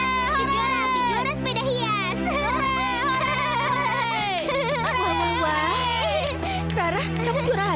sampai jumpa di video selanjutnya